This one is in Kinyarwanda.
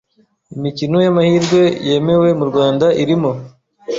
Imikino y’amahirwe yemewe mu Rwanda irimo;